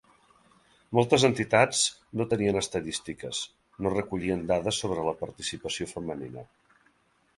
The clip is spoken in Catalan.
Moltes entitats no tenien estadístiques, no recollien dades sobre la participació femenina.